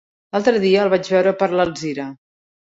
L'altre dia el vaig veure per Alzira.